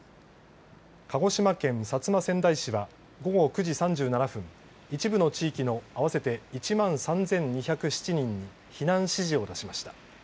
鹿児島県薩摩川内市は午後９時３７分一部の地域の合わせて１万３２０７人に避難指示を出しました。